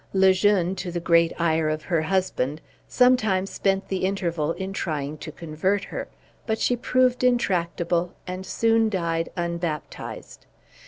Le Jeune, to the great ire of her husband, sometimes spent the interval in trying to convert her; but she proved intractable, and soon died unbaptized.